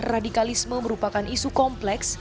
radikalisme merupakan isu kompleks